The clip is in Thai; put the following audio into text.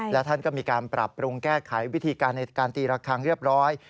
และท่านก็มีการปรับปรุงแก้ไขวิธีการในการตีระคังเรียบร้อย